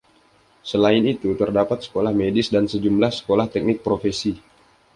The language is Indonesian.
Selain itu, terdapat sekolah medis dan sejumlah sekolah teknik profesi.